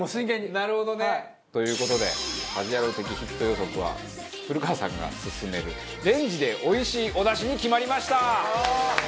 なるほどね。という事で『家事ヤロウ！！！』的ヒット予測は古川さんが薦めるレンジで美味しいおだしに決まりました。